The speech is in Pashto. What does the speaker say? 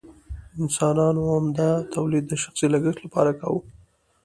انسانانو عمده تولید د شخصي لګښت لپاره کاوه.